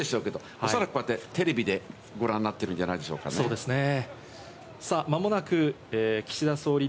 おそらくこうやってテレビでご覧になってるんじゃないでしょうかね。そうですね。